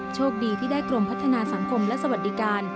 โชคดีที่ได้กรมพัฒนาสังคมและสวัสดิการ